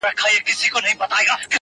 • سمدستي سوله مېړه ته لاس ترغاړه ,